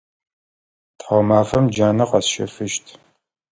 Тхьаумафэм джанэ къэсщэфыщт.